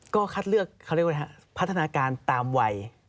ก็คัดเลือกเขาเรียกว่าพัฒนาการตามวัย